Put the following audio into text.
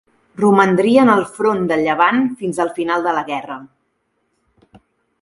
Romandria en el Front de Llevant fins al final de la guerra.